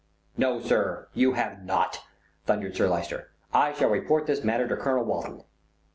"No, sir, you have not," thundered Sir Lyster. "I shall report this matter to Colonel Walton."